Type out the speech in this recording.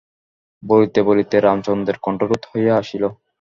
বলিতে বলিতে রামচন্দ্রের কণ্ঠরোধ হইয়া আসিল।